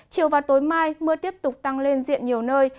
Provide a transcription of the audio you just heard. chiều và tối mai mưa tiếp tục tăng lên diện nhiều nơi